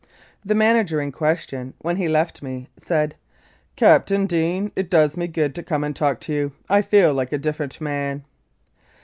The manager in question, when he left me, said, "Captain Deane, it does me good to come and talk to you I feel like a different man."